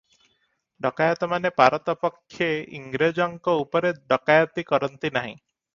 ଡକାଏତମାନେ ପାରତ ପକ୍ଷେ ଇଂରେଜଙ୍କ ଉପରେ ଡକାଏତି କରନ୍ତି ନାହିଁ ।